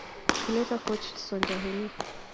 He later coached Sonja Henie.